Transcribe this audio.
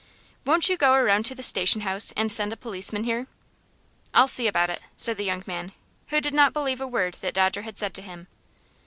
Won't you go around to the station house and send a policeman here?" "I'll see about it," said the young man, who did not believe a word that Dodger had said to him.